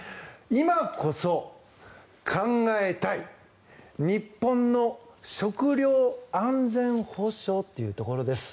今こそ考えたい日本の食料安全保障というところです。